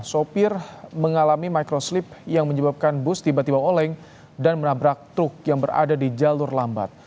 sopir mengalami microslip yang menyebabkan bus tiba tiba oleng dan menabrak truk yang berada di jalur lambat